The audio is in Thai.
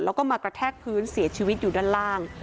แล้วก็มากระแทกพื้นเสียชีวิตอยู่ด้านล่าง